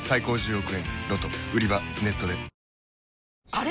あれ？